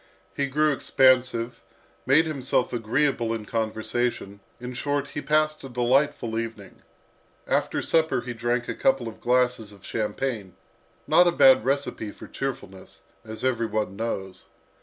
He grew expansive, made himself agreeable in conversation, in short, he passed a delightful evening. After supper he drank a couple of glasses of champagne not a bad recipe for cheerfulness, as every one knows.